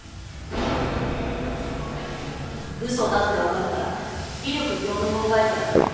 うそだって分かったら威力業務妨害罪になるよ。